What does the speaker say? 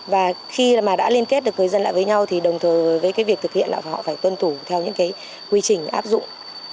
và khi mà đã liên kết được người dân lại với nhau thì đồng thời với cái việc thực hiện là họ phải tuân thủ theo những cái quy trình áp dụng